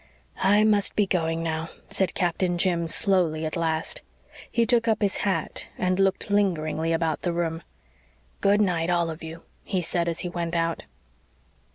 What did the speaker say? "I must be going now," said Captain Jim slowly at last. He took up his hat and looked lingeringly about the room. "Good night, all of you," he said, as he went out.